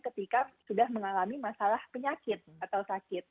ketika sudah mengalami masalah penyakit atau sakit